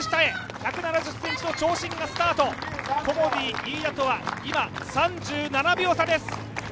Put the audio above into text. １７０ｃｍの長身がスタート、コモディイイダとは今、３７秒差です。